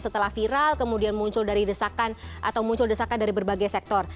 setelah viral kemudian muncul dari desakan atau muncul desakan dari berbagai sektor